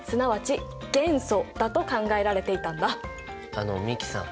あの美樹さん